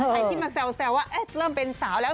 ใครที่มาแซวว่าเริ่มเป็นสาวแล้ว